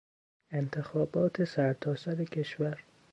انتخابات سرتاسر کشور